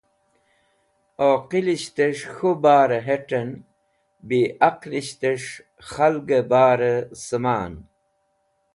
Oqilishtẽsh k̃hũ barẽ hẽt̃ẽn bi aqlishtẽs̃h khalgẽ barẽ sẽman.